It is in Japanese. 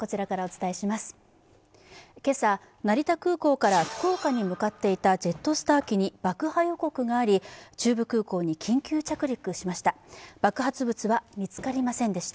今朝、成田空港から福岡に向かっていたジェットスター機に爆破予告があり、中部空港に緊急着陸しました。